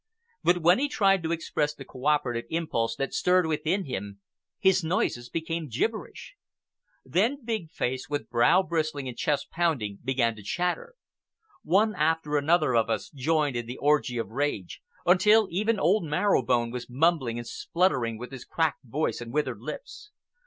But when he tried to express the cooperative impulse that stirred within him, his noises became gibberish. Then Big Face, with brow bristling and chest pounding, began to chatter. One after another of us joined in the orgy of rage, until even old Marrow Bone was mumbling and spluttering with his cracked voice and withered lips.